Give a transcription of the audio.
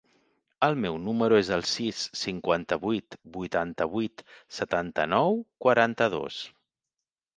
El meu número es el sis, cinquanta-vuit, vuitanta-vuit, setanta-nou, quaranta-dos.